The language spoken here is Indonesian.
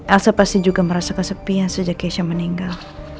elsa pasti juga merasa kesepian sejak keisha meninggal